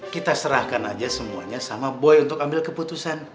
kita serahkan aja semuanya sama boy untuk ambil keputusan